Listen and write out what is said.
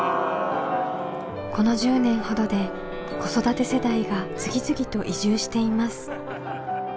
この１０年ほどで子育て世代が次々と移住しています。